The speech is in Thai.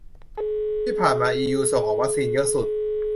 ที่ผ่านมาอียูส่งออกวัคซีนเยอะสุด